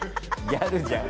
ギャルじゃん。